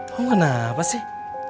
kamu kenapa sih